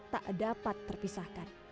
tak dapat terpisahkan